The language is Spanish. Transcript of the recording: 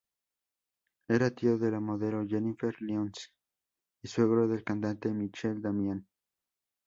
Era tío de la modelo Jennifer Lyons y suegro del cantante Michael Damián.